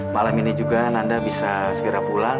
malam ini juga nanda bisa segera pulang